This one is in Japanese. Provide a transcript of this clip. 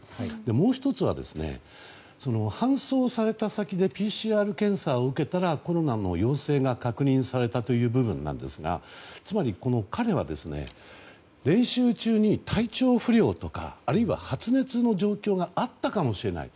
もう１つは搬送された先でＰＣＲ検査を受けたらコロナの陽性が確認されたという部分なんですがつまり彼は練習中に体調不良とかあるいは発熱の状況があったかもしれない。